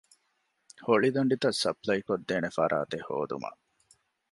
ހޮޅިދަނޑިތައް ސަޕްލައިކޮށްދޭނެ ފަރާތެއް ހޯދުމަށް